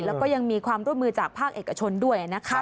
แล้วก็ยังมีความร่วมมือจากภาคเอกชนด้วยนะคะ